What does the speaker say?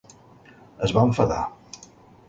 Es va enfadar.